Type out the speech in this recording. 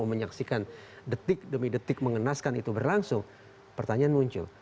menyaksikan detik demi detik mengenaskan itu berlangsung pertanyaan muncul